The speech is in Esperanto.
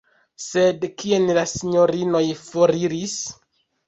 Sed kien la sinjorinoj foriris?